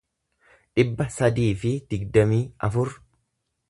dhibba sadii fi digdamii afur